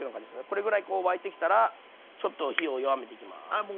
これぐらい沸いてきたらちょっと火を弱めていきます。